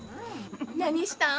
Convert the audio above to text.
何したん？